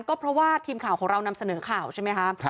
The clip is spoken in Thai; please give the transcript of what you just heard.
ก็เพราะว่าทีมข่าวของเรานำเสนอข่าวใช่ไหมคะ